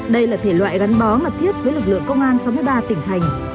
đây là thể loại gắn bó mật thiết với lực lượng công an sáu mươi ba tỉnh thành